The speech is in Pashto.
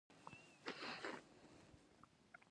آیا دوی په بیارغونه کې ونډه نلره؟